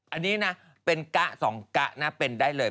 อันนี้นะเป็นกะสองกะนะเป็นได้เลย